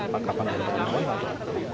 pak kapanan dan pak muly